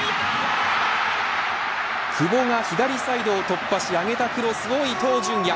久保が左サイドを突破し上げたクロスを伊東純也。